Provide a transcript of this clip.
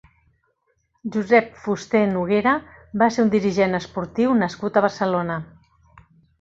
Josep Fusté Noguera va ser un dirigent esportiu nascut a Barcelona.